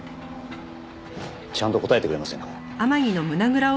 ちゃんと答えてくれませんか？